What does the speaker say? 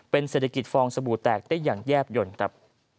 เศรษฐกิจฟองสบู่แตกได้อย่างแยบยนต์ครับ